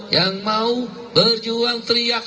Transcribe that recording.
yang mau berjuang teriak